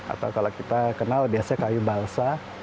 atau kalau kita kenal biasanya kayu balsa